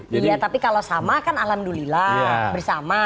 iya tapi kalau sama kan alhamdulillah bersama